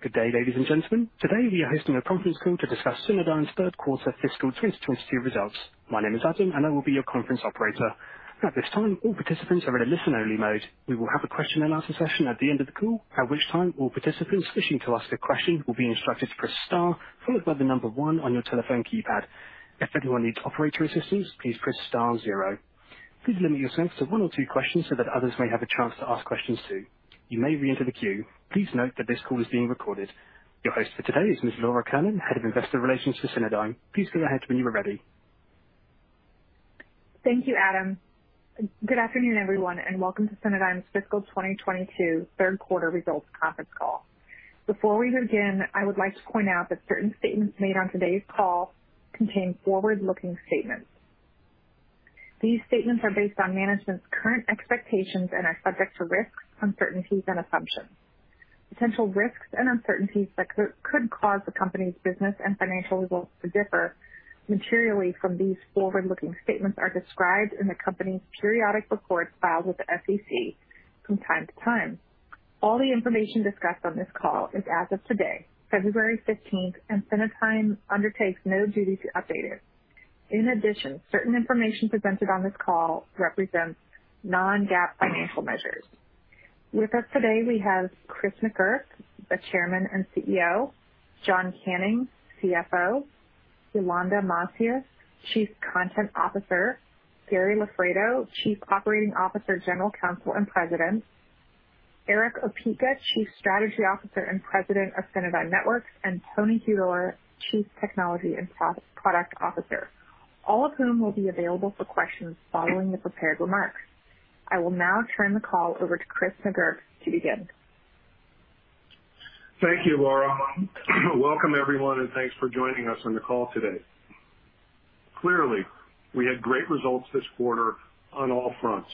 Good day, ladies and gentlemen. Today we are hosting a conference call to discuss Cinedigm's third quarter fiscal 2022 results. My name is Adam, and I will be your conference operator. At this time, all participants are in a listen-only mode. We will have a question and answer session at the end of the call, at which time all participants wishing to ask a question will be instructed to press star followed by the number one on your telephone keypad. If anyone needs operator assistance, please press star zero. Please limit yourself to one or two questions so that others may have a chance to ask questions, too. You may re-enter the queue. Please note that this call is being recorded. Your host for today is Ms. Laura Kiernan, Head of Investor Relations for Cinedigm. Please go ahead when you are ready. Thank you, Adam. Good afternoon, everyone, and welcome to Cinedigm's fiscal 2022 third quarter results conference call. Before we begin, I would like to point out that certain statements made on today's call contain forward-looking statements. These statements are based on management's current expectations and are subject to risks, uncertainties and assumptions. Potential risks and uncertainties that could cause the company's business and financial results to differ materially from these forward-looking statements are described in the company's periodic reports filed with the SEC from time to time. All the information discussed on this call is as of today, February 15, and Cinedigm undertakes no duty to update it. In addition, certain information presented on this call represents non-GAAP financial measures. With us today, we have Chris McGurk, the Chairman and CEO, John Canning, CFO, Yolanda Macias, Chief Content Officer, Gary Loffredo, Chief Operating Officer, General Counsel and President, Erick Opeka, Chief Strategy Officer and President of Cinedigm Networks, and Tony Huidor, Chief Technology and Product Officer, all of whom will be available for questions following the prepared remarks. I will now turn the call over to Chris McGurk to begin. Thank you, Laura. Welcome everyone, and thanks for joining us on the call today. Clearly, we had great results this quarter on all fronts,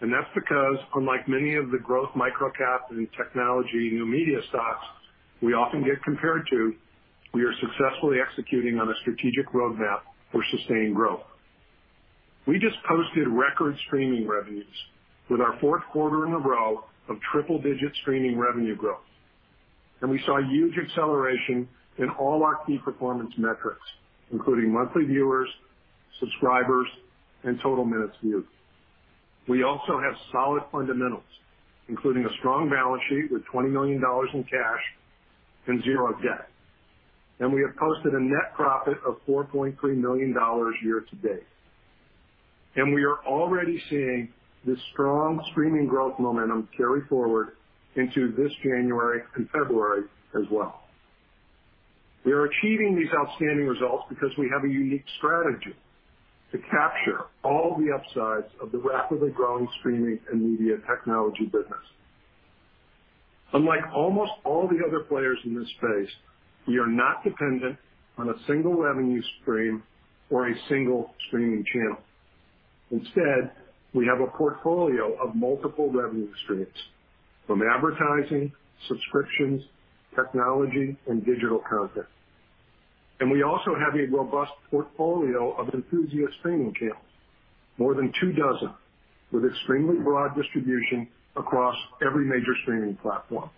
and that's because, unlike many of the growth micro-cap and technology new media stocks we often get compared to, we are successfully executing on a strategic roadmap for sustained growth. We just posted record streaming revenues with our fourth quarter in a row of triple-digit streaming revenue growth. We saw huge acceleration in all our key performance metrics, including monthly viewers, subscribers, and total minutes viewed. We also have solid fundamentals, including a strong balance sheet with $20 million in cash and zero debt. We have posted a net profit of $4.3 million year-to-date. We are already seeing this strong streaming growth momentum carry forward into this January and February as well. We are achieving these outstanding results because we have a unique strategy to capture all the upsides of the rapidly growing streaming and media technology business. Unlike almost all the other players in this space, we are not dependent on a single revenue stream or a single streaming channel. Instead, we have a portfolio of multiple revenue streams from advertising, subscriptions, technology, and digital content. We also have a robust portfolio of enthusiast streaming channels, more than two dozen with extremely broad distribution across every major streaming platform.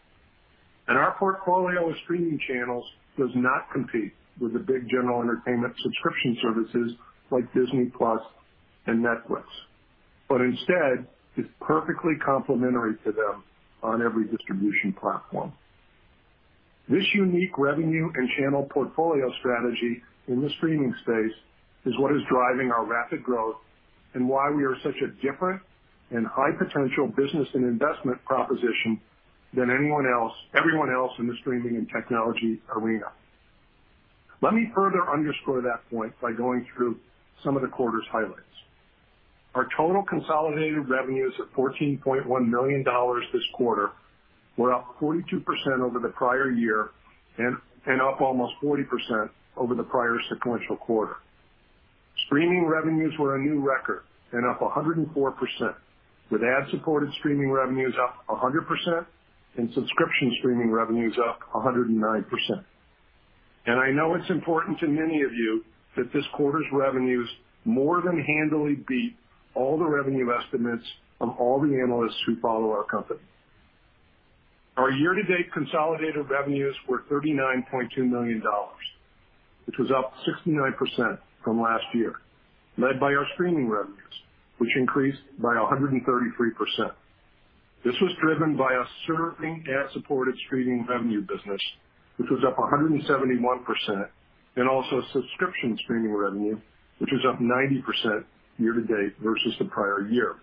Our portfolio of streaming channels does not compete with the big general entertainment subscription services like Disney+ and Netflix, but instead is perfectly complementary to them on every distribution platform. This unique revenue and channel portfolio strategy in the streaming space is what is driving our rapid growth and why we are such a different and high potential business and investment proposition than everyone else in the streaming and technology arena. Let me further underscore that point by going through some of the quarter's highlights. Our total consolidated revenues of $14.1 million this quarter were up 42% over the prior year and up almost 40% over the prior sequential quarter. Streaming revenues were a new record and up 104%, with ad-supported streaming revenues up 100% and subscription streaming revenues up 109%. I know it's important to many of you that this quarter's revenues more than handily beat all the revenue estimates from all the analysts who follow our company. Our year-to-date consolidated revenues were $39.2 million, which was up 69% from last year, led by our streaming revenues, which increased by 133%. This was driven by a surging ad-supported streaming revenue business, which was up 171%, and also subscription streaming revenue, which was up 90% year-to-date versus the prior year.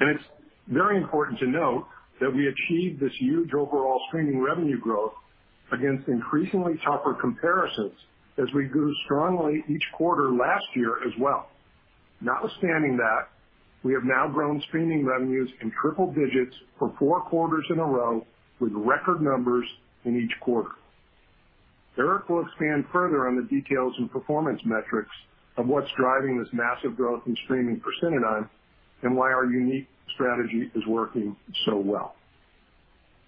It's very important to note that we achieved this huge overall streaming revenue growth against increasingly tougher comparisons as we grew strongly each quarter last year as well. Notwithstanding that, we have now grown streaming revenues in triple digits for four quarters in a row with record numbers in each quarter. Erick will expand further on the details and performance metrics of what's driving this massive growth in streaming for Cinedigm and why our unique strategy is working so well.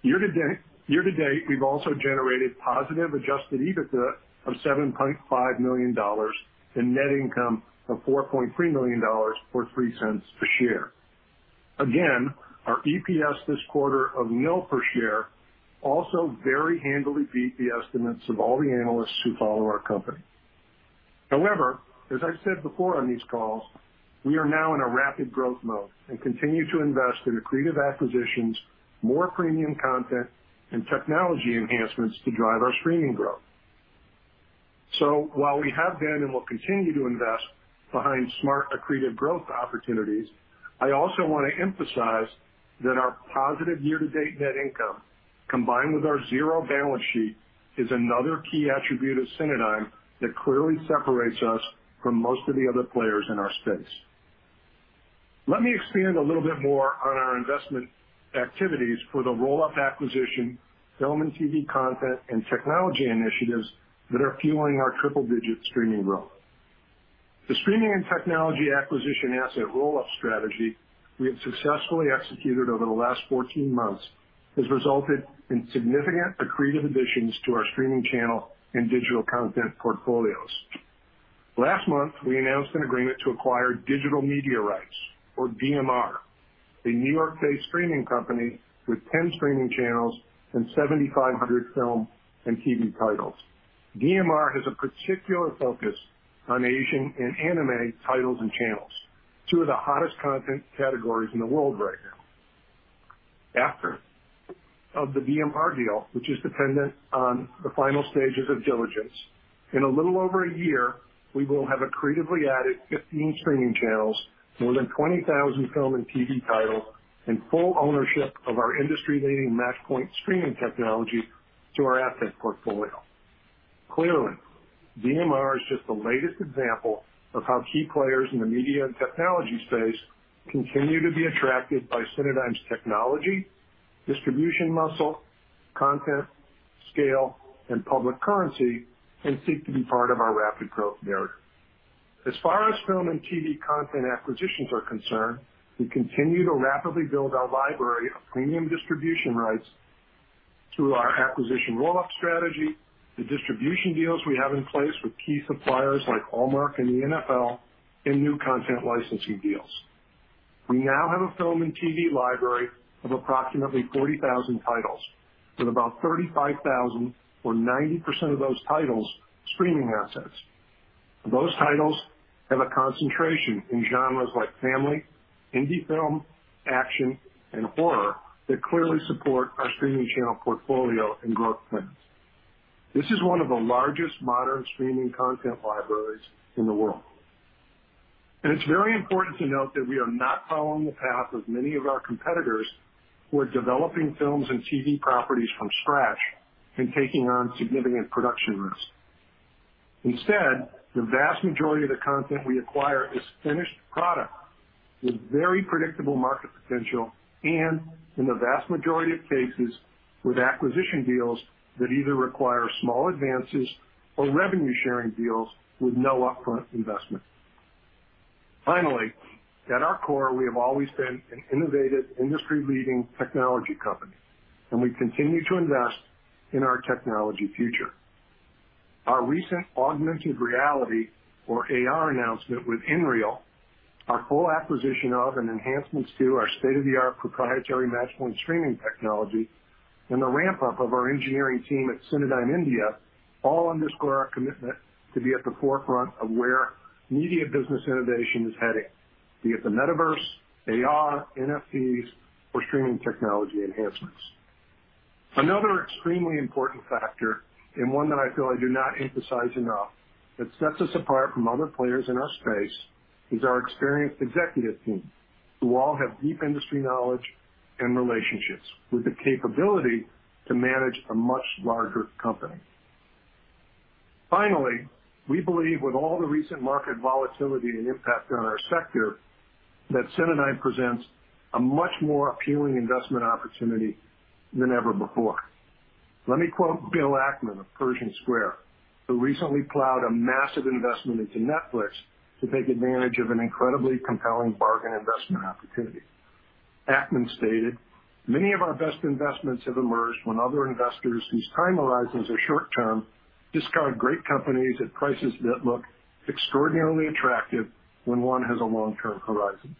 Year-to-date, we've also generated positive adjusted EBITDA of $7.5 million and net income of $4.3 million, or $0.03 per share. Again, our EPS this quarter of zero per share also very handily beat the estimates of all the analysts who follow our company. However, as I've said before on these calls, we are now in a rapid growth mode and continue to invest in accretive acquisitions, more premium content and technology enhancements to drive our streaming growth. While we have been and will continue to invest behind smart, accretive growth opportunities, I also wanna emphasize that our positive year-to-date net income, combined with our zero balance sheet, is another key attribute of Cinedigm that clearly separates us from most of the other players in our space. Let me expand a little bit more on our investment activities for the roll-up acquisition, film and TV content, and technology initiatives that are fueling our triple-digit streaming growth. The streaming and technology acquisition asset roll-up strategy we have successfully executed over the last 14 months has resulted in significant accretive additions to our streaming channel and digital content portfolios. Last month, we announced an agreement to acquire Digital Media Rights, or DMR, a New York-based streaming company with 10 streaming channels and 7,500 film and TV titles. DMR has a particular focus on Asian and anime titles and channels, two of the hottest content categories in the world right now. After the DMR deal, which is dependent on the final stages of diligence, in a little over a year, we will have accretively added 15 streaming channels, more than 20,000 film and TV titles, and full ownership of our industry-leading Matchpoint streaming technology to our asset portfolio. Clearly, DMR is just the latest example of how key players in the media and technology space continue to be attracted by Cinedigm's technology, distribution muscle, content, scale, and public currency, and seek to be part of our rapid growth narrative. As far as film and TV content acquisitions are concerned, we continue to rapidly build our library of premium distribution rights through our acquisition roll-up strategy, the distribution deals we have in place with key suppliers like Hallmark and the NFL, and new content licensing deals. We now have a film and TV library of approximately 40,000 titles, with about 35,000, or 90% of those titles, streaming assets. Those titles have a concentration in genres like family, indie film, action, and horror that clearly support our streaming channel portfolio and growth plans. This is one of the largest modern streaming content libraries in the world. It's very important to note that we are not following the path of many of our competitors who are developing films and TV properties from scratch and taking on significant production risk. Instead, the vast majority of the content we acquire is finished product with very predictable market potential and, in the vast majority of cases, with acquisition deals that either require small advances or revenue-sharing deals with no upfront investment. Finally, at our core, we have always been an innovative, industry-leading technology company, and we continue to invest in our technology future. Our recent augmented reality, or AR announcement with Nreal, our full acquisition of and enhancements to our state-of-the-art proprietary Matchpoint streaming technology, and the ramp-up of our engineering team at Cinedigm India all underscore our commitment to be at the forefront of where media business innovation is heading, be it the metaverse, AR, NFTs, or streaming technology enhancements. Another extremely important factor, and one that I feel I do not emphasize enough, that sets us apart from other players in our space, is our experienced executive team, who all have deep industry knowledge and relationships with the capability to manage a much larger company. Finally, we believe with all the recent market volatility and impact on our sector that Cinedigm presents a much more appealing investment opportunity than ever before. Let me quote Bill Ackman of Pershing Square, who recently plowed a massive investment into Netflix to take advantage of an incredibly compelling bargain investment opportunity. Ackman stated, "Many of our best investments have emerged when other investors whose time horizons are short term discard great companies at prices that look extraordinarily attractive when one has a long-term horizon."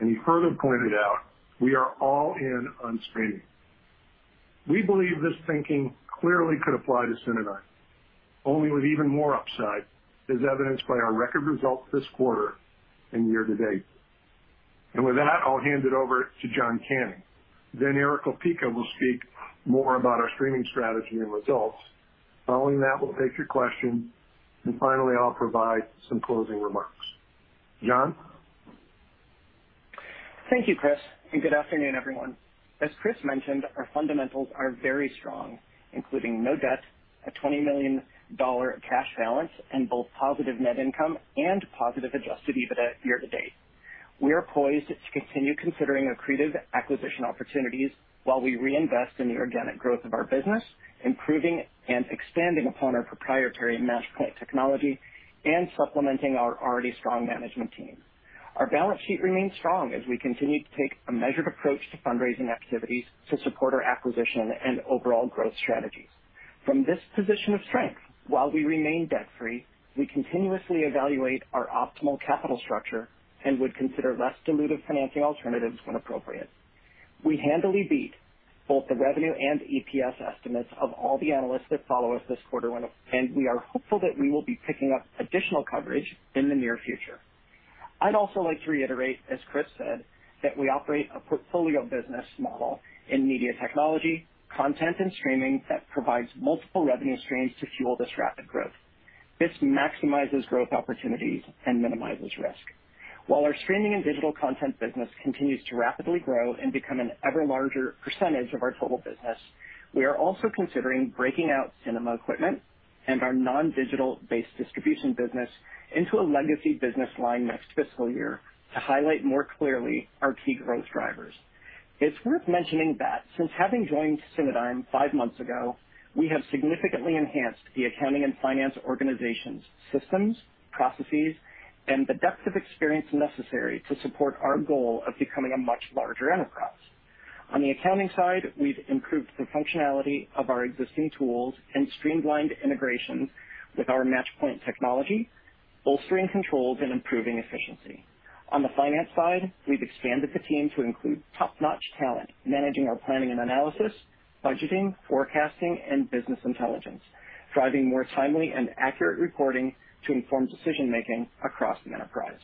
And he further pointed out, "We are all in on streaming." We believe this thinking clearly could apply to Cinedigm, only with even more upside, as evidenced by our record results this quarter and year-to-date. With that, I'll hand it over to John Canning. Then Erick Opeka will speak more about our streaming strategy and results. Following that, we'll take your questions, and finally, I'll provide some closing remarks. John? Thank you, Chris, and good afternoon, everyone. As Chris mentioned, our fundamentals are very strong, including no debt, a $20 million cash balance, and both positive net income and positive adjusted EBITDA year-to-date. We are poised to continue considering accretive acquisition opportunities while we reinvest in the organic growth of our business, improving and expanding upon our proprietary Matchpoint technology and supplementing our already strong management team. Our balance sheet remains strong as we continue to take a measured approach to fundraising activities to support our acquisition and overall growth strategies. From this position of strength, while we remain debt-free, we continuously evaluate our optimal capital structure and would consider less dilutive financing alternatives when appropriate. We handily beat both the revenue and EPS estimates of all the analysts that follow us this quarter, and we are hopeful that we will be picking up additional coverage in the near future. I'd also like to reiterate, as Chris said, that we operate a portfolio business model in media technology, content, and streaming that provides multiple revenue streams to fuel this rapid growth. This maximizes growth opportunities and minimizes risk. While our streaming and digital content business continues to rapidly grow and become an ever larger percentage of our total business, we are also considering breaking out cinema equipment and our non-digital-based distribution business into a legacy business line next fiscal year to highlight more clearly our key growth drivers. It's worth mentioning that since having joined Cinedigm five months ago, we have significantly enhanced the accounting and finance organization's systems, processes, and the depth of experience necessary to support our goal of becoming a much larger enterprise. On the accounting side, we've improved the functionality of our existing tools and streamlined integrations with our Matchpoint technology, bolstering controls and improving efficiency. On the finance side, we've expanded the team to include top-notch talent, managing our planning and analysis, budgeting, forecasting, and business intelligence, driving more timely and accurate reporting to inform decision-making across the enterprise.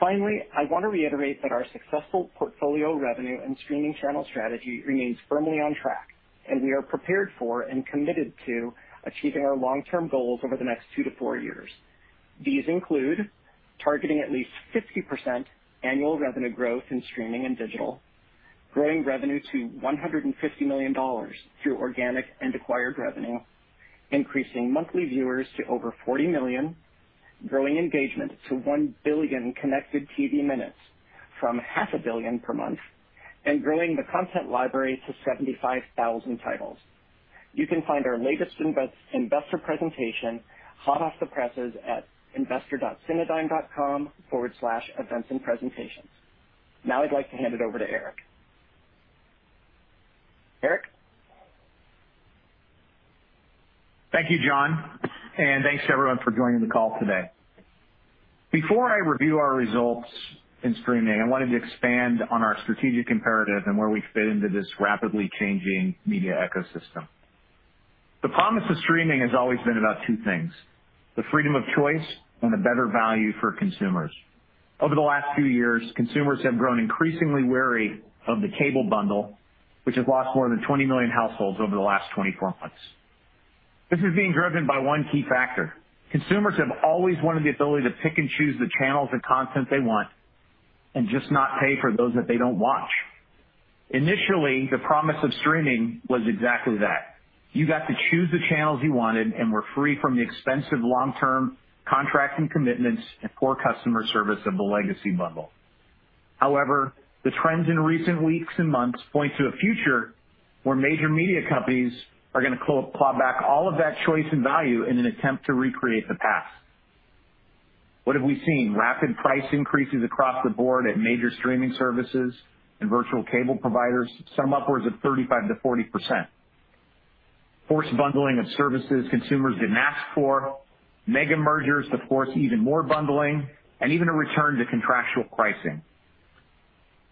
Finally, I want to reiterate that our successful portfolio revenue and streaming channel strategy remains firmly on track, and we are prepared for and committed to achieving our long-term goals over the next two to four years. These include targeting at least 50% annual revenue growth in streaming and digital, growing revenue to $150 million through organic and acquired revenue, increasing monthly viewers to over 40 million, growing engagement to 1 billion connected TV minutes from 500 million per month, and growing the content library to 75,000 titles. You can find our latest investor presentation hot off the presses at investor.cinedigm.com/events-and-presentations. Now, I'd like to hand it over to Erick. Erick? Thank you, John, and thanks to everyone for joining the call today. Before I review our results in streaming, I wanted to expand on our strategic imperative and where we fit into this rapidly changing media ecosystem. The promise of streaming has always been about two things, the freedom of choice and a better value for consumers. Over the last few years, consumers have grown increasingly wary of the cable bundle, which has lost more than 20 million households over the last 24 months. This is being driven by one key factor. Consumers have always wanted the ability to pick and choose the channels and content they want and just not pay for those that they don't watch. Initially, the promise of streaming was exactly that. You got to choose the channels you wanted and were free from the expensive long-term contracting commitments and poor customer service of the legacy bundle. However, the trends in recent weeks and months point to a future where major media companies are gonna claw back all of that choice and value in an attempt to recreate the past. What have we seen? Rapid price increases across the board at major streaming services and virtual cable providers, some upwards of 35%-40%. Forced bundling of services consumers didn't ask for, mega mergers to force even more bundling, and even a return to contractual pricing.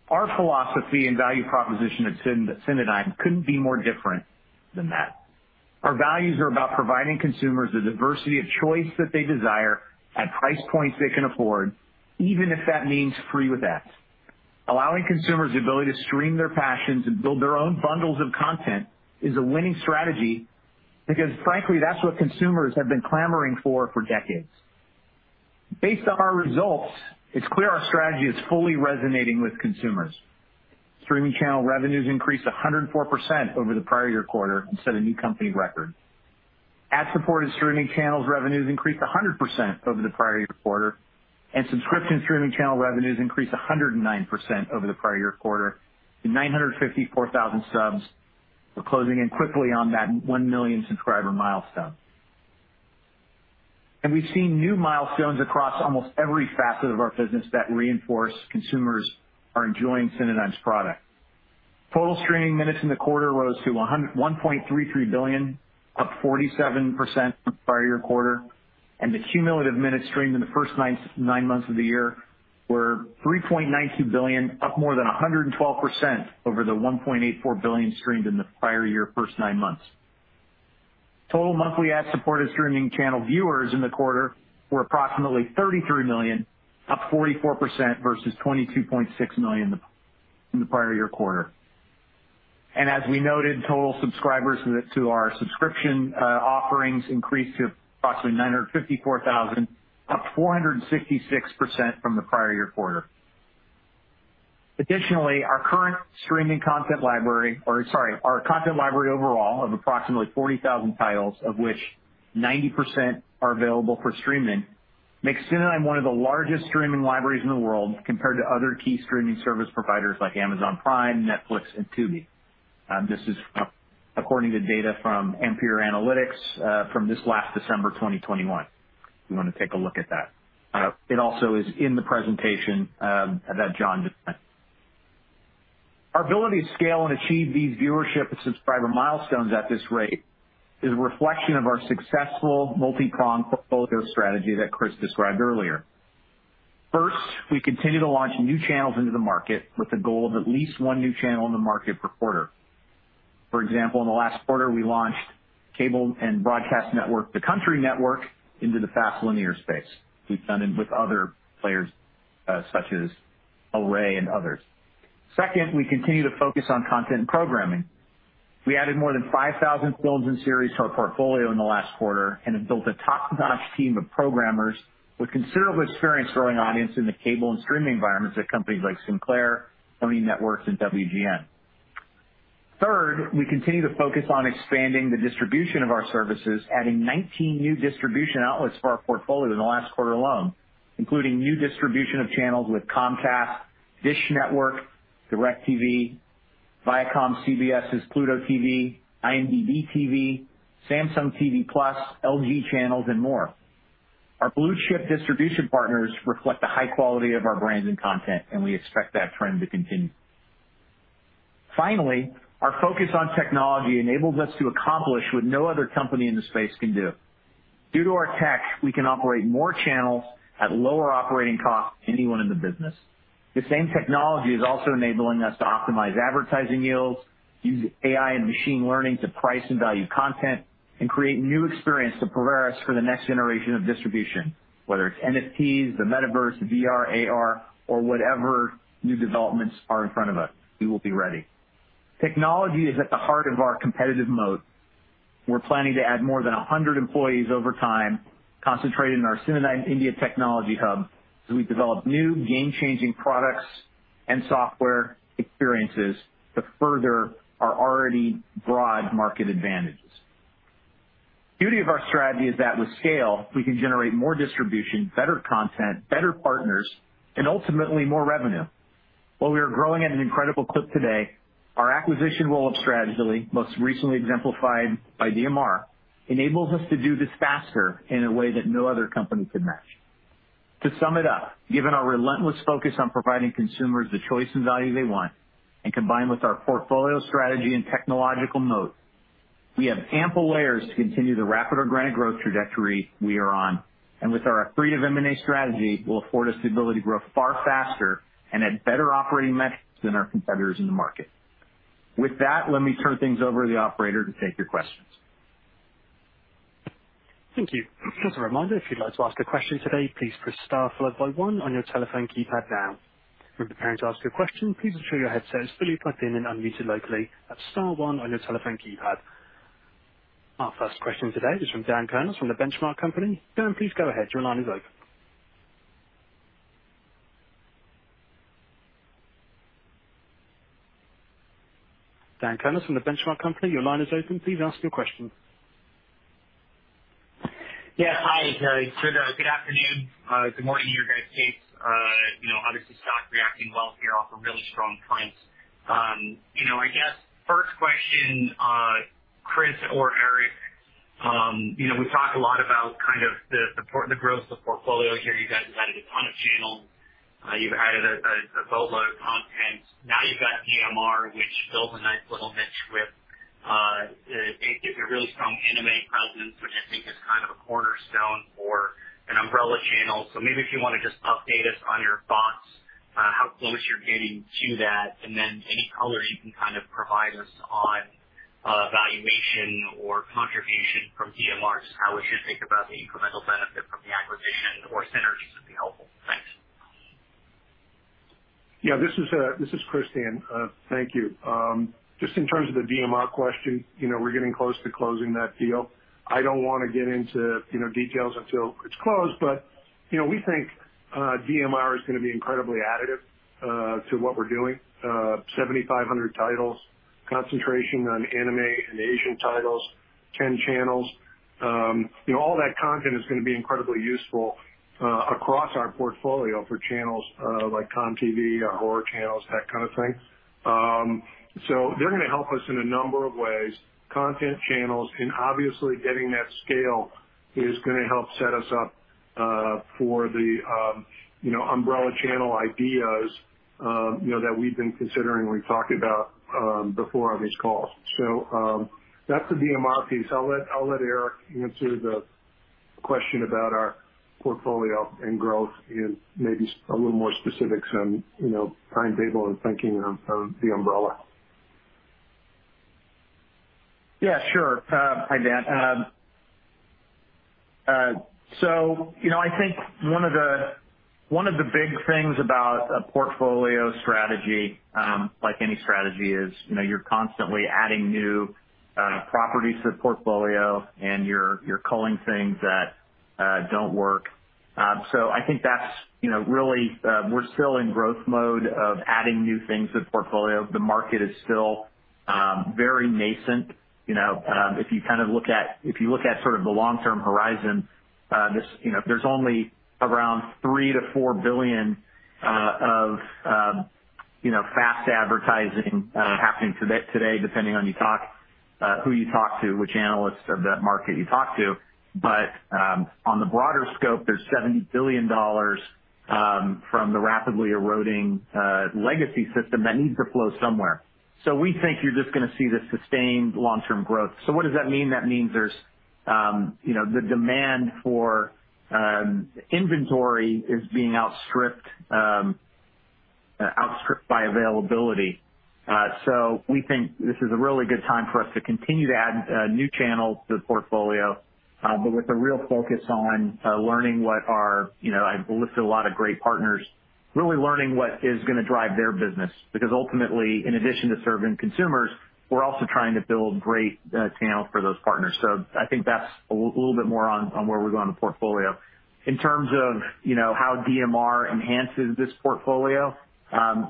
Our philosophy and value proposition at Cinedigm couldn't be more different than that. Our values are about providing consumers the diversity of choice that they desire at price points they can afford, even if that means free with ads. Allowing consumers the ability to stream their passions and build their own bundles of content is a winning strategy because, frankly, that's what consumers have been clamoring for decades. Based on our results, it's clear our strategy is fully resonating with consumers. Streaming channel revenues increased 104% over the prior year quarter and set a new company record. Ad-supported streaming channels revenues increased 100% over the prior year quarter, and subscription streaming channel revenues increased 109% over the prior year quarter to 954,000 subs. We're closing in quickly on that 1 million subscriber milestone. We've seen new milestones across almost every facet of our business that reinforce consumers are enjoying Cinedigm's products. Total streaming minutes in the quarter rose to 1.33 billion, up 47% from the prior year quarter, and the cumulative minutes streamed in the first nine months of the year were 3.92 billion, up more than 112% over the 1.84 billion streamed in the prior year first nine months. Total monthly ad-supported streaming channel viewers in the quarter were approximately 33 million, up 44% versus 22.6 million in the prior year quarter. As we noted, total subscribers to our subscription offerings increased to approximately 954,000, up 466% from the prior year quarter. Additionally, our content library overall of approximately 40,000 titles, of which 90% are available for streaming, makes Cinedigm one of the largest streaming libraries in the world compared to other key streaming service providers like Amazon Prime, Netflix, and Tubi. This is according to data from Ampere Analysis from this last December 2021. If you wanna take a look at that. It also is in the presentation that John just went. Our ability to scale and achieve these viewership and subscriber milestones at this rate is a reflection of our successful multi-pronged portfolio strategy that Chris described earlier. First, we continue to launch new channels into the market with the goal of at least one new channel in the market per quarter. For example, in the last quarter, we launched cable and broadcast network, The Country Network, into the FAST linear space. We've done it with other players, such as Array and others. Second, we continue to focus on content programming. We added more than 5,000 films and series to our portfolio in the last quarter and have built a top-notch team of programmers with considerable experience growing audience in the cable and streaming environments at companies like Sinclair, Sony Networks and WGN. Third, we continue to focus on expanding the distribution of our services, adding 19 new distribution outlets to our portfolio in the last quarter alone, including new distribution of channels with Comcast, Dish Network, DirecTV, ViacomCBS’s Pluto TV, IMDb TV, Samsung TV Plus, LG channels and more. Our blue-chip distribution partners reflect the high quality of our brands and content, and we expect that trend to continue. Finally, our focus on technology enables us to accomplish what no other company in this space can do. Due to our tech, we can operate more channels at lower operating costs than anyone in the business. The same technology is also enabling us to optimize advertising yields, use AI and machine learning to price and value content, and create new experience to prepare us for the next generation of distribution, whether it's NFTs, the metaverse, VR, AR, or whatever new developments are in front of us, we will be ready. Technology is at the heart of our competitive moat. We're planning to add more than 100 employees over time, concentrated in our Cinedigm India technology hub, as we develop new game-changing products and software experiences to further our already broad market advantages. The beauty of our strategy is that with scale, we can generate more distribution, better content, better partners, and ultimately more revenue. While we are growing at an incredible clip today, our acquisition roll-up strategy, most recently exemplified by DMR, enables us to do this faster in a way that no other company can match. To sum it up, given our relentless focus on providing consumers the choice and value they want, and combined with our portfolio strategy and technological moat, we have ample layers to continue the rapid organic growth trajectory we are on. With our accretive M&A strategy, it will afford us the ability to grow far faster and at better operating metrics than our competitors in the market. With that, let me turn things over to the operator to take your questions. Thank you. Just a reminder, if you'd like to ask a question today, please press star followed by one on your telephone keypad now. When preparing to ask your question, please ensure your headset is fully plugged in and unmuted locally. That's star one on your telephone keypad. Our first question today is from Dan Kurnos from The Benchmark Company. Dan, please go ahead. Your line is open. Dan Kurnos from The Benchmark Company, your line is open. Please ask your question. Yes. Hi, good afternoon, good morning in your guys' case. You know, obviously, stock reacting well here off a really strong print. You know, I guess first question, Chris or Erick, you know, we've talked a lot about kind of the support, the growth, the portfolio here. You guys have added a ton of channels. You've added a boatload of content. Now you've got DMR, which fills a nice little niche with a really strong anime presence, which I think is kind of a cornerstone for an umbrella channel. Maybe if you wanna just update us on your thoughts, how close you're getting to that, and then any color you can kind of provide us on, valuation or contribution from DMR, just how we should think about the incremental benefit from the acquisition or synergies would be helpful. Thanks. Yeah. This is Chris, Dan. Thank you. Just in terms of the DMR question, you know, we're getting close to closing that deal. I don't wanna get into, you know, details until it's closed, but, you know, we think, DMR is gonna be incredibly additive, to what we're doing. 7,500 titles, concentration on anime and Asian titles, 10 channels. You know, all that content is gonna be incredibly useful, across our portfolio for channels, like CONtv, our horror channels, that kind of thing. They're gonna help us in a number of ways, content channels, and obviously getting that scale is gonna help set us up, for the, you know, umbrella channel ideas, you know, that we've been considering, we've talked about, before on these calls. That's the DMR piece. I'll let Erick answer the question about our portfolio and growth and maybe a little more specifics on, you know, timetable and thinking on the umbrella. Yeah, sure. Hi, Dan. So, you know, I think one of the big things about a portfolio strategy, like any strategy is, you know, you're constantly adding new properties to the portfolio and you're culling things that don't work. So I think that's, you know, really, we're still in growth mode of adding new things to the portfolio. The market is still very nascent. You know, if you look at sort of the long-term horizon, this you know, there's only around $3 billion-$4 billion of FAST advertising happening today, depending on who you talk to, which analysts of that market you talk to. On the broader scope, there's $70 billion from the rapidly eroding legacy system that needs to flow somewhere. We think you're just gonna see the sustained long-term growth. What does that mean? That means there's, you know, the demand for inventory is being outstripped by availability. We think this is a really good time for us to continue to add new channels to the portfolio, but with a real focus on learning what our, you know. I've listed a lot of great partners, really learning what is gonna drive their business. Because ultimately, in addition to serving consumers, we're also trying to build great channels for those partners. I think that's a little bit more on where we're going with the portfolio. In terms of you know how DMR enhances this portfolio,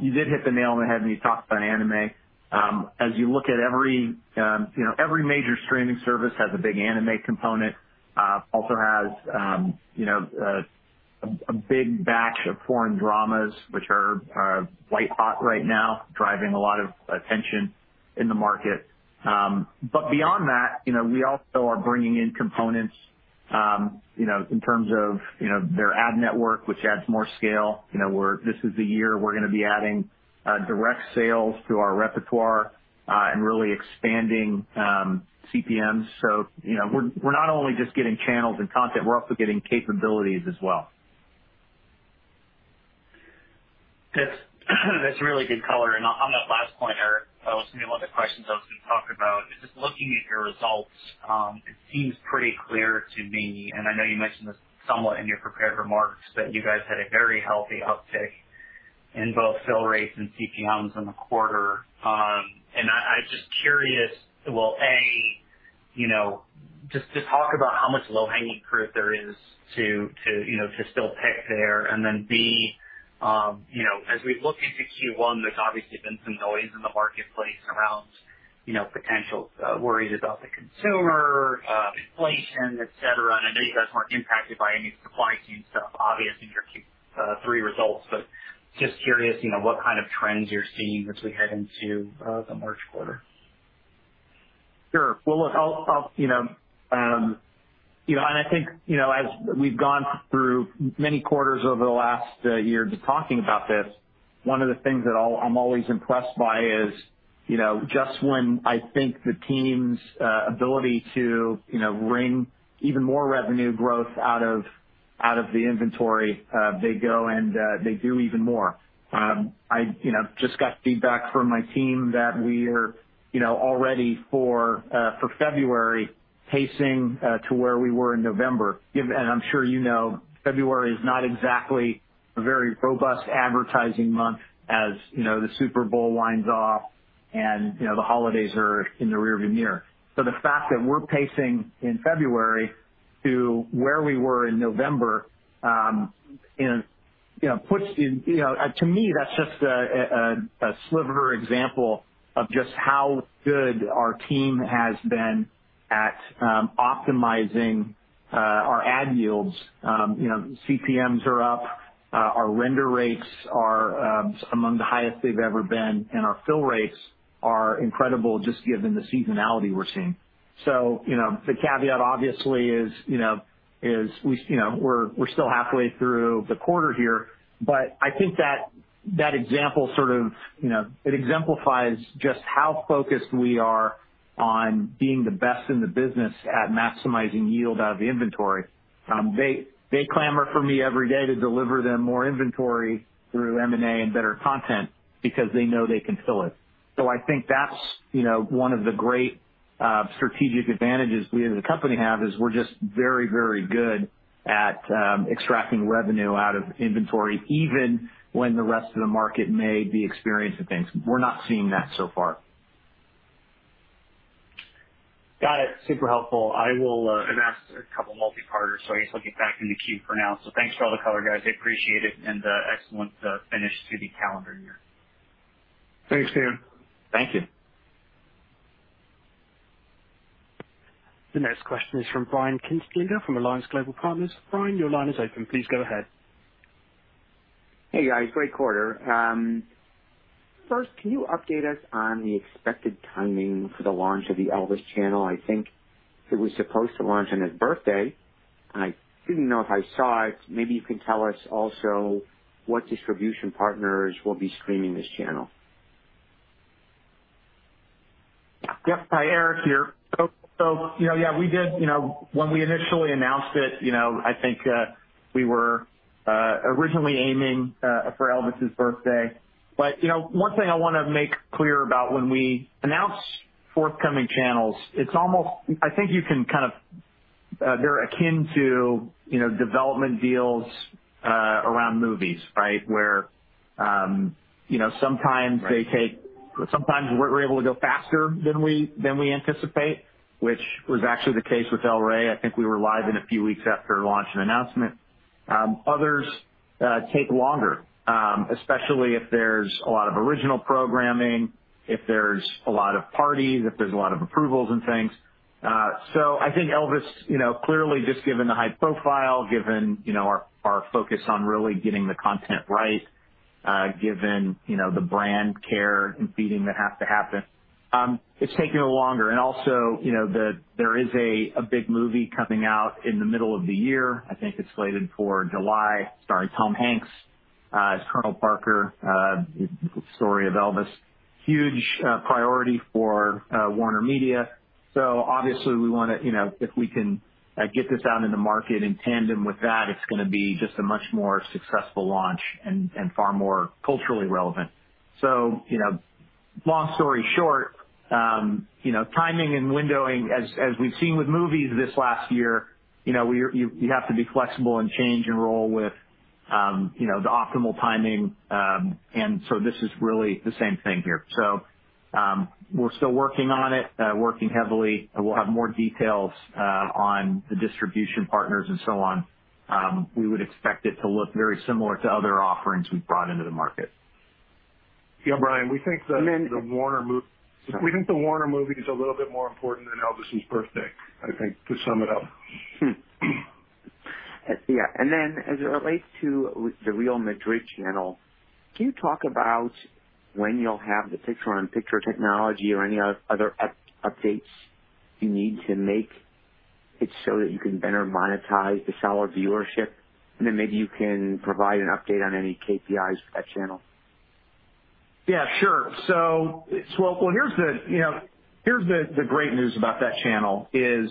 you did hit the nail on the head when you talked about anime. As you look at every major streaming service has a big anime component, also has a big batch of foreign dramas, which are quite hot right now, driving a lot of attention in the market. Beyond that, you know, we also are bringing in components, you know, in terms of their ad network, which adds more scale. You know, this is the year we're gonna be adding direct sales to our repertoire and really expanding CPMs. You know, we're not only just getting channels and content, we're also getting capabilities as well. That's really good color. On that last point, Erick, that was gonna be one of the questions I was gonna talk about. Just looking at your results, it seems pretty clear to me, and I know you mentioned this somewhat in your prepared remarks, but you guys had a very healthy uptick in both fill rates and CPMs in the quarter. I'm just curious, well, A, you know, just to talk about how much low-hanging fruit there is to you know, to still pick there. Then, B, you know, as we look into Q1, there's obviously been some noise in the marketplace around, you know, potential worries about the consumer, inflation, et cetera. I know you guys weren't impacted by any supply chain stuff, obvious in your Q3 results, but just curious, you know, what kind of trends you're seeing as we head into the March quarter. Sure. Well, look, I'll you know I think you know as we've gone through many quarters over the last year just talking about this, one of the things that I'm always impressed by is you know just when I think the team's ability to you know wring even more revenue growth out of the inventory, they go and they do even more. I you know just got feedback from my team that we are you know already for February pacing to where we were in November. I'm sure you know February is not exactly a very robust advertising month, as you know, the Super Bowl winds down and you know the holidays are in the rearview mirror. The fact that we're pacing in February to where we were in November. To me, that's just a sliver example of just how good our team has been at optimizing our ad yields. You know, CPMs are up. Our render rates are among the highest they've ever been, and our fill rates are incredible just given the seasonality we're seeing. You know, the caveat obviously is we're still halfway through the quarter here. I think that example sort of, you know, it exemplifies just how focused we are on being the best in the business at maximizing yield out of the inventory. They clamor for me every day to deliver them more inventory through M&A and better content because they know they can fill it. I think that's, you know, one of the great strategic advantages we as a company have, is we're just very, very good at extracting revenue out of inventory, even when the rest of the market may be experiencing things. We're not seeing that so far. Got it. Super helpful. I will advance a couple multi-parters, so I guess I'll get back in the queue for now. So thanks for all the color, guys. I appreciate it and excellent finish to the calendar year. Thanks, Dan. Thank you. The next question is from Brian Kinstlinger from Alliance Global Partners. Brian, your line is open. Please go ahead. Hey, guys, great quarter. First, can you update us on the expected timing for the launch of the Elvis Channel? I think it was supposed to launch on his birthday, and I didn't know if I saw it. Maybe you can tell us also what distribution partners will be streaming this channel. Yep. Hi, Erick here. You know, yeah, we did, you know, when we initially announced it, you know, I think we were originally aiming for Elvis's birthday. You know, one thing I wanna make clear about when we announce forthcoming channels, it's almost I think you can kind of, they're akin to, you know, development deals around movies, right? Where, you know, sometimes they take. Right. Sometimes we're able to go faster than we anticipate, which was actually the case with El Rey. I think we were live in a few weeks after launch and announcement. Others take longer, especially if there's a lot of original programming, if there's a lot of parties, if there's a lot of approvals and things. So I think Elvis, you know, clearly just given the high profile, given our focus on really getting the content right, given the brand care and feeding that has to happen, it's taking longer. Also, you know, there is a big movie coming out in the middle of the year. I think it's slated for July, starring Tom Hanks as Colonel Parker. The story of Elvis. Huge priority for WarnerMedia. Obviously we wanna, you know, if we can get this out in the market in tandem with that, it's gonna be just a much more successful launch and far more culturally relevant. You know, long story short, you know, timing and windowing as we've seen with movies this last year, you know, you have to be flexible and change and roll with, you know, the optimal timing. This is really the same thing here. We're still working on it, working heavily, and we'll have more details on the distribution partners and so on. We would expect it to look very similar to other offerings we've brought into the market. Yeah, Brian, we think that. And then- The Warner movie. Sorry. We think the Warner movie is a little bit more important than Elvis's birthday, I think, to sum it up. As it relates to the Real Madrid channel, can you talk about when you'll have the picture-on-picture technology or any other updates you need to make it so that you can better monetize the solid viewership? Maybe you can provide an update on any KPIs for that channel. Yeah, sure. Well, here's the great news about that channel is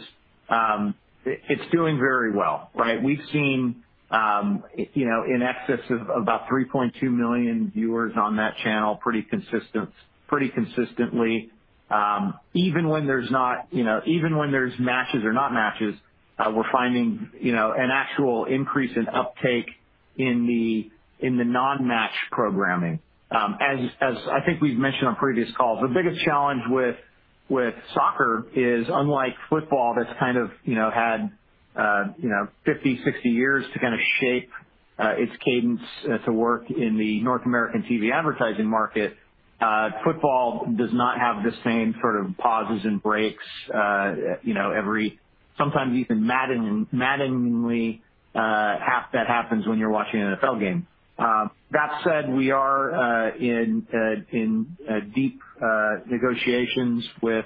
it's doing very well, right? We've seen in excess of about 3.2 million viewers on that channel pretty consistently. Even when there's matches or not matches, we're finding an actual increase in uptake in the non-match programming. As I think we've mentioned on previous calls, the biggest challenge with soccer is, unlike football that's kind of had 50, 60 years to kinda shape its cadence to work in the North American TV advertising market, football does not have the same sort of pauses and breaks every. Sometimes even maddeningly half that happens when you're watching an NFL game. That said, we are in deep negotiations with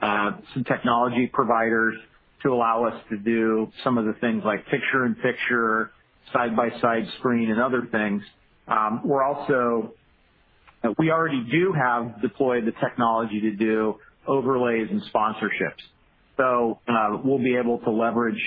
some technology providers to allow us to do some of the things like picture-in-picture, side-by-side screen, and other things. We already do have deployed the technology to do overlays and sponsorships. We'll be able to leverage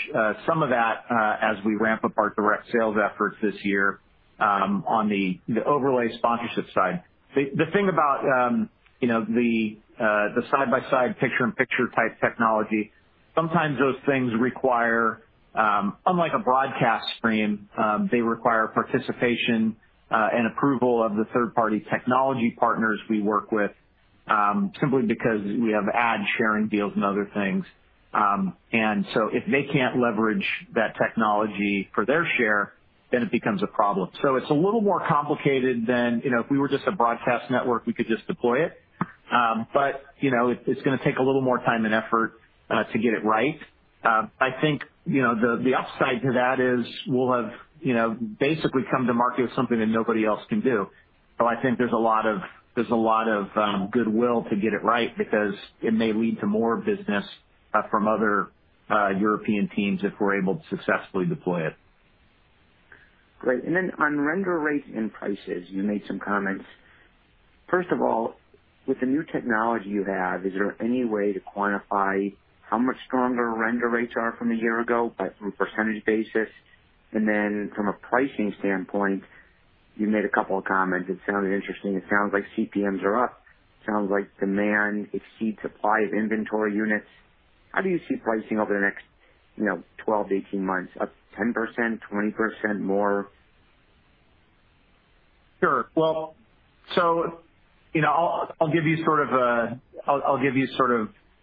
some of that as we ramp up our direct sales efforts this year, on the overlay sponsorship side. The thing about, you know, the side-by-side picture-and-picture type technology, sometimes those things require, unlike a broadcast stream, they require participation and approval of the third-party technology partners we work with, simply because we have ad-sharing deals and other things. If they can't leverage that technology for their share, then it becomes a problem. It's a little more complicated than, you know, if we were just a broadcast network, we could just deploy it. You know, it's gonna take a little more time and effort to get it right. I think, you know, the upside to that is we'll have, you know, basically come to market with something that nobody else can do. I think there's a lot of goodwill to get it right because it may lead to more business from other European teams if we're able to successfully deploy it. Great. On render rates and prices, you made some comments. First of all, with the new technology you have, is there any way to quantify how much stronger render rates are from a year ago on a percentage basis? From a pricing standpoint, you made a couple of comments. It sounded interesting. It sounds like CPMs are up. Sounds like demand exceeds supply of inventory units. How do you see pricing over the next, you know, 12-18 months? Up 10%, 20% more? Sure. Well, I'll give you sort of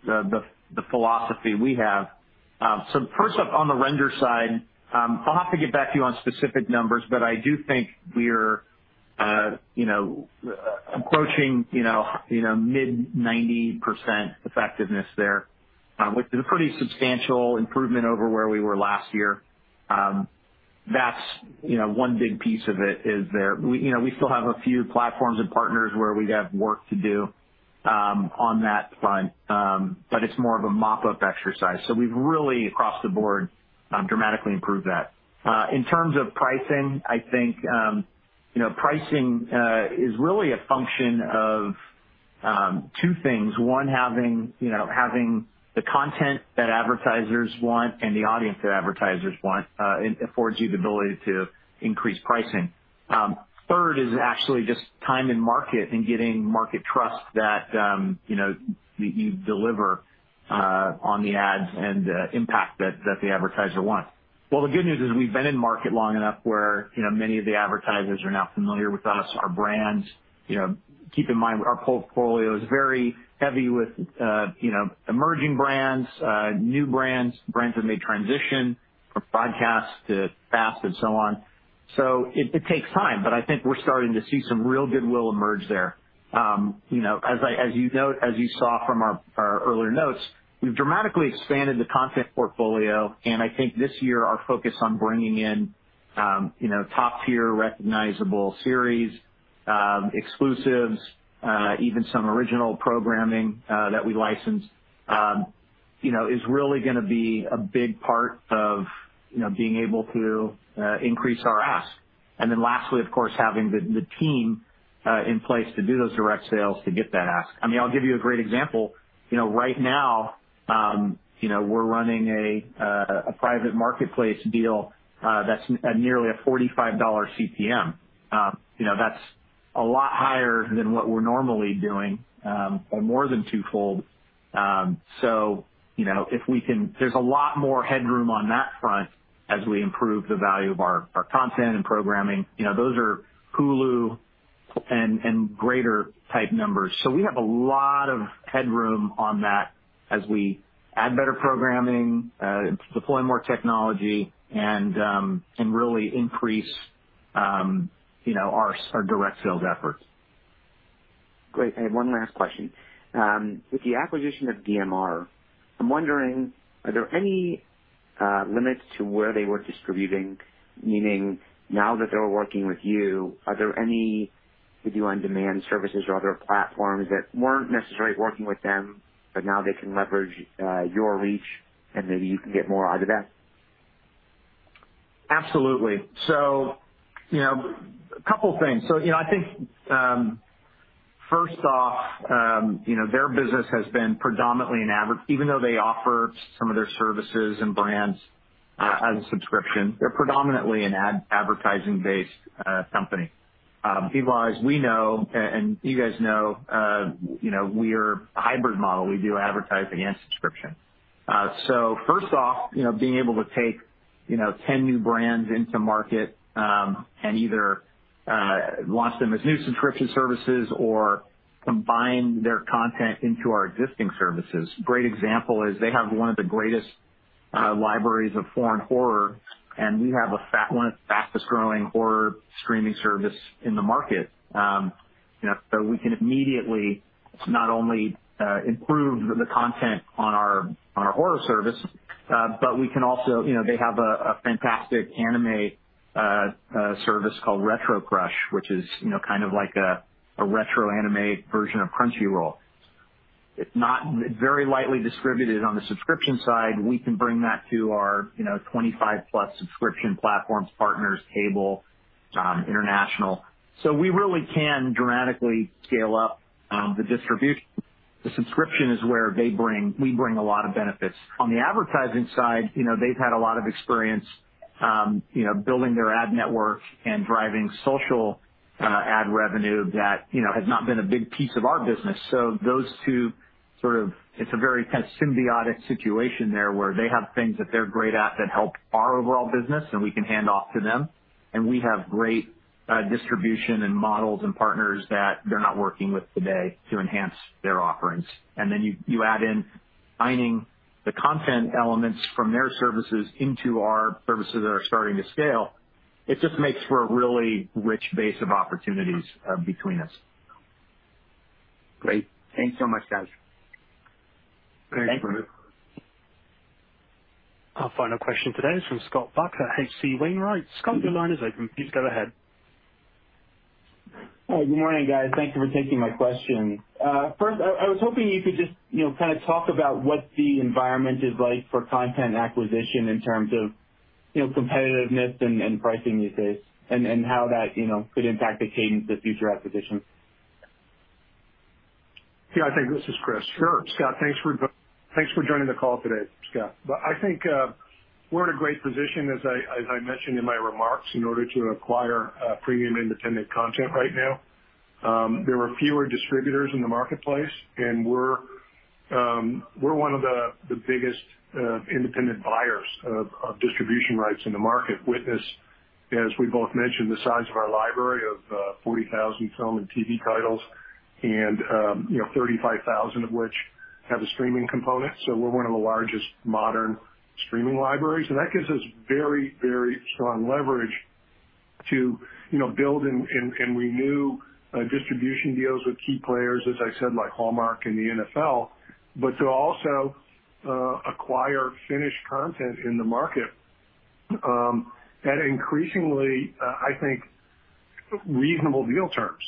the philosophy we have. First up on the render side, I'll have to get back to you on specific numbers, but I do think we're approaching mid-90% effectiveness there, which is a pretty substantial improvement over where we were last year. That's one big piece of it. We still have a few platforms and partners where we have work to do on that front, but it's more of a mop-up exercise. We've really, across the board, dramatically improved that. In terms of pricing, I think pricing is really a function of two things. One, having the content that advertisers want and the audience that advertisers want, it affords you the ability to increase pricing. Third is actually just time in market and getting market trust that, you know, you deliver on the ads and the impact that the advertiser wants. Well, the good news is we've been in market long enough where, you know, many of the advertisers are now familiar with us, our brands. You know, keep in mind our portfolio is very heavy with, you know, emerging brands, new brands that may transition from broadcast to fast and so on. It takes time, but I think we're starting to see some real goodwill emerge there. You know, as you note, as you saw from our earlier notes, we've dramatically expanded the content portfolio, and I think this year our focus on bringing in, you know, top-tier recognizable series, exclusives, even some original programming, that we license, you know, is really gonna be a big part of, you know, being able to increase our ask. Then lastly, of course, having the team in place to do those direct sales to get that ask. I mean, I'll give you a great example. You know, right now, you know, we're running a private marketplace deal, that's nearly a $45 CPM. You know, that's a lot higher than what we're normally doing, or more than twofold. You know, if we can. There's a lot more headroom on that front as we improve the value of our content and programming. You know, those are Hulu and greater CPMs. We have a lot of headroom on that as we add better programming, deploy more technology and really increase, you know, our direct sales efforts. Great. I have one last question. With the acquisition of DMR, I'm wondering, are there any limits to where they were distributing? Meaning now that they're working with you, are there any video-on-demand services or other platforms that weren't necessarily working with them, but now they can leverage your reach and maybe you can get more out of that? Absolutely. You know, a couple things. I think, first off, you know, their business has been predominantly an AVOD even though they offer some of their services and brands as a subscription. They're predominantly an advertising-based company. VBI, as we know, and you guys know, you know, we are a hybrid model. We do advertising and subscription. First off, you know, being able to take you know, 10 new brands into market and either launch them as new subscription services or combine their content into our existing services. Great example is they have one of the greatest libraries of foreign horror, and we have one of the fastest-growing horror streaming service in the market. You know, so we can immediately not only improve the content on our horror service, but we can also. You know, they have a fantastic anime service called RetroCrush, which is, you know, kind of like a retro anime version of Crunchyroll. It's not very lightly distributed on the subscription side. We can bring that to our, you know, 25+ subscription platforms, partners, cable, international. So we really can dramatically scale up the distribution. The subscription is where they bring we bring a lot of benefits. On the advertising side, you know, they've had a lot of experience, you know, building their ad network and driving social ad revenue that, you know, has not been a big piece of our business. So those two sort of. It's a very kind of symbiotic situation there, where they have things that they're great at that help our overall business and we can hand off to them, and we have great distribution and models and partners that they're not working with today to enhance their offerings. You add in finding the content elements from their services into our services that are starting to scale, it just makes for a really rich base of opportunities between us. Great. Thanks so much, guys. Thanks. Our final question today is from Scott Buck at H.C. Wainwright. Scott, your line is open. Please go ahead. Hi. Good morning, guys. Thank you for taking my question. First, I was hoping you could just, you know, kinda talk about what the environment is like for content acquisition in terms of, you know, competitiveness and pricing these days, and how that, you know, could impact the cadence of future acquisitions. Yeah, I think this is Chris. Sure, Scott. Thanks for joining the call today, Scott. I think we're in a great position, as I mentioned in my remarks, in order to acquire premium independent content right now. There are fewer distributors in the marketplace, and we're one of the biggest independent buyers of distribution rights in the market. Witness, as we both mentioned, the size of our library of 40,000 film and TV titles and, you know, 35,000 of which have a streaming component. We're one of the largest modern streaming libraries, and that gives us very, very strong leverage to, you know, build and renew distribution deals with key players, as I said, like Hallmark and the NFL, but to also acquire finished content in the market at increasingly, I think, reasonable deal terms,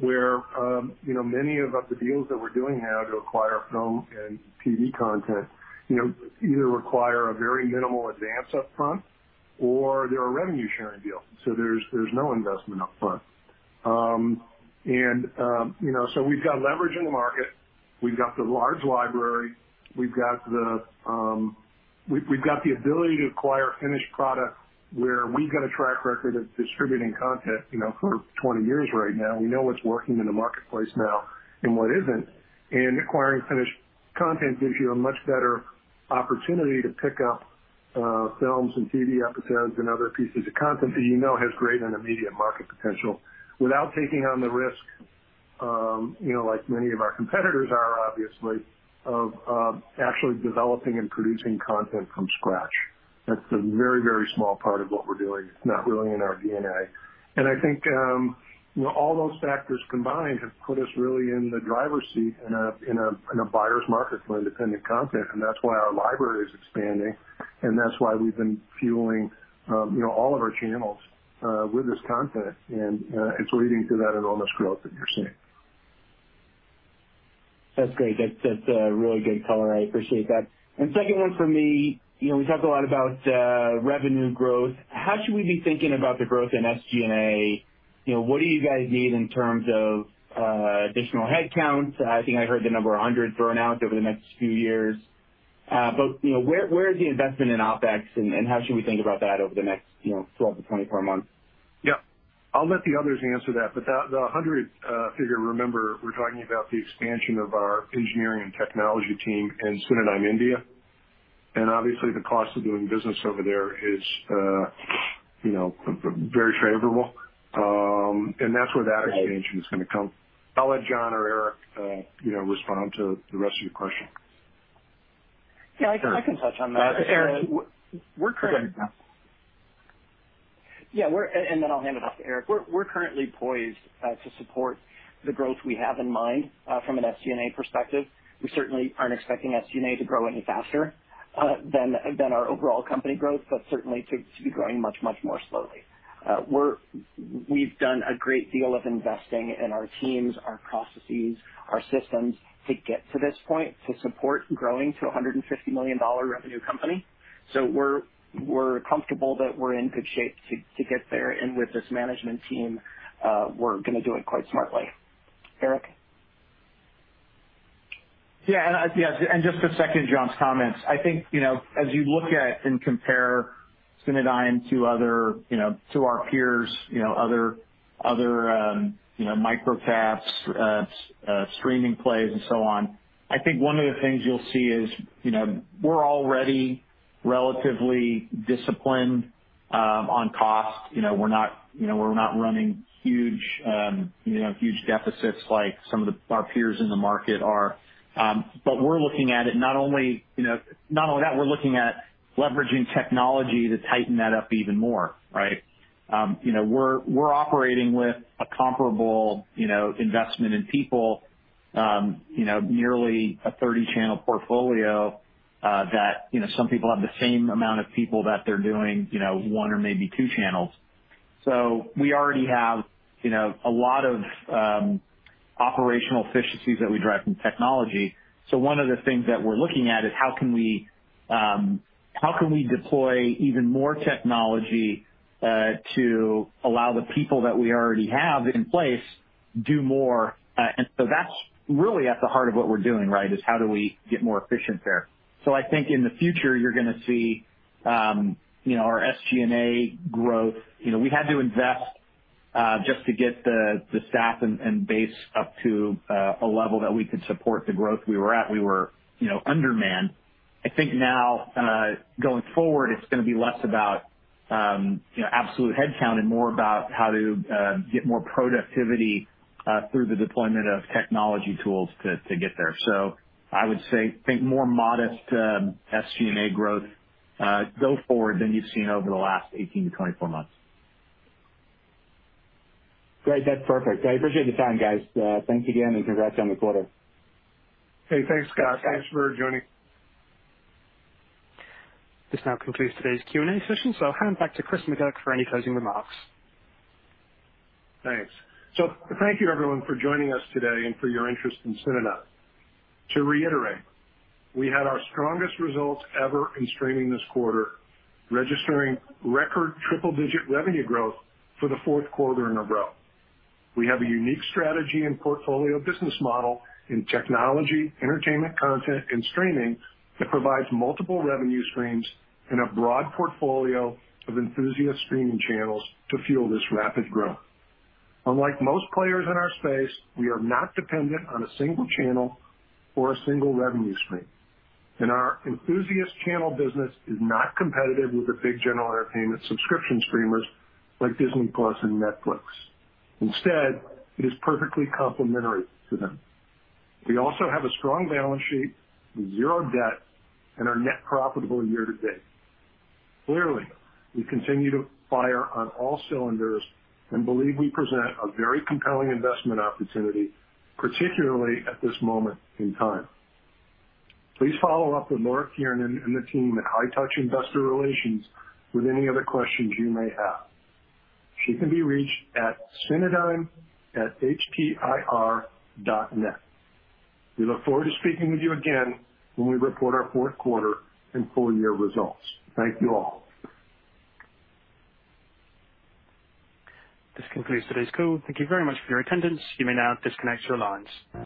where you know, many of the deals that we're doing now to acquire film and TV content, you know, either require a very minimal advance up front or they're a revenue sharing deal. There's no investment up front. And you know, we've got leverage in the market. We've got the large library. We've got the ability to acquire finished product where we've got a track record of distributing content, you know, for 20 years right now. We know what's working in the marketplace now and what isn't. Acquiring finished content gives you a much better opportunity to pick up films and TV episodes and other pieces of content that you know has great and immediate market potential without taking on the risk, you know, like many of our competitors are obviously doing, actually developing and producing content from scratch. That's a very, very small part of what we're doing. It's not really in our DNA. I think, you know, all those factors combined have put us really in the driver's seat in a buyer's market for independent content, and that's why our library is expanding, and that's why we've been fueling, you know, all of our channels with this content. It's leading to that enormous growth that you're seeing. That's great. That's a really good color. I appreciate that. Second one for me, you know, we talked a lot about revenue growth. How should we be thinking about the growth in SG&A? You know, what do you guys need in terms of additional headcounts? I think I heard the number 100 thrown out over the next few years. You know, where is the investment in OPEX and how should we think about that over the next, you know, 12-24 months? Yeah. I'll let the others answer that. The 100 figure, remember, we're talking about the expansion of our engineering and technology team in Cinedigm India. Obviously the cost of doing business over there is, you know, very favorable. That's where that expansion is gonna come. I'll let John or Erick, you know, respond to the rest of your question. Yeah, I can touch on that. Erick. We're curren- Go ahead, John. Then I'll hand it off to Erick. We're currently poised to support the growth we have in mind from an SG&A perspective. We certainly aren't expecting SG&A to grow any faster than our overall company growth, but certainly to be growing much more slowly. We've done a great deal of investing in our teams, our processes, our systems to get to this point, to support growing to a $150 million revenue company. We're comfortable that we're in good shape to get there. With this management team, we're gonna do it quite smartly. Erick? Just to second John's comments, I think, you know, as you look at and compare Cinedigm to other, you know, to our peers, you know, other microcaps, streaming plays and so on, I think one of the things you'll see is, you know, we're already relatively disciplined on cost. You know, we're not running huge deficits like some of our peers in the market are. We're looking at it not only that, we're looking at leveraging technology to tighten that up even more, right? You know, we're operating with a comparable, you know, investment in people, you know, nearly a 30-channel portfolio that, you know, some people have the same amount of people that they're doing, you know, one or maybe two channels. We already have, you know, a lot of operational efficiencies that we drive from technology. One of the things that we're looking at is how can we deploy even more technology to allow the people that we already have in place do more. That's really at the heart of what we're doing, right, is how do we get more efficient there. I think in the future you're gonna see, you know, our SG&A growth. You know, we had to invest just to get the staff and base up to a level that we could support the growth we were at. We were you know undermanned. I think now going forward, it's gonna be less about you know absolute headcount and more about how to get more productivity through the deployment of technology tools to get there. I would say, think more modest SG&A growth go forward than you've seen over the last 18-24 months. Great. That's perfect. I appreciate the time, guys. Thanks again, and congrats on the quarter. Hey, thanks, Scott. Thanks for joining. This now concludes today's Q&A session, so I'll hand it back to Chris McGurk for any closing remarks. Thanks. Thank you everyone for joining us today and for your interest in Cinedigm. To reiterate, we had our strongest results ever in streaming this quarter, registering record triple-digit revenue growth for the fourth quarter in a row. We have a unique strategy and portfolio business model in technology, entertainment content, and streaming that provides multiple revenue streams and a broad portfolio of enthusiast streaming channels to fuel this rapid growth. Unlike most players in our space, we are not dependent on a single channel or a single revenue stream, and our enthusiast channel business is not competitive with the big general entertainment subscription streamers like Disney+ and Netflix. Instead, it is perfectly complementary to them. We also have a strong balance sheet with zero debt and are net profitable year-to-date. Clearly, we continue to fire on all cylinders and believe we present a very compelling investment opportunity, particularly at this moment in time. Please follow up with Laura Kiernan and the team at High Touch Investor Relations with any other questions you may have. She can be reached at cinedigm@htir.net. We look forward to speaking with you again when we report our fourth quarter and full year results. Thank you all. This concludes today's call. Thank you very much for your attendance. You may now disconnect your lines.